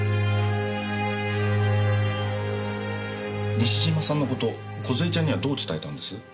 西島さんの事梢ちゃんにはどう伝えたんです？